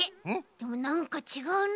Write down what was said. でもなんかちがうな。